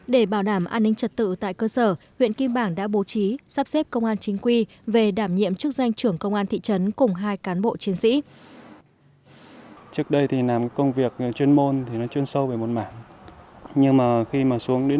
để bảo đảm an ninh trật tự tại cơ sở huyện kim bảng đã bố trí sắp xếp công an chính quy về đảm nhiệm chức danh trưởng công an thị trấn cùng hai cán bộ chiến sĩ